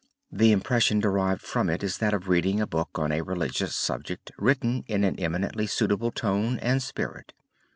The impression derived from it is that of reading a book on a religious subject written in an eminently suitable tone and spirit.